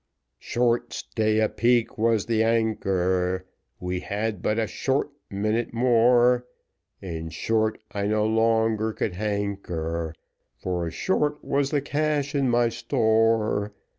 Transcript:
Short stay apeak was the anchor, We had but a short minute more, In short, I no longer could banker, For short was the cash in my store.